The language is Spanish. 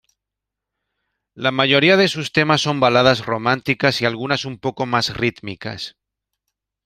La mayoría de sus temas son baladas románticas y algunas un poco más rítmicas.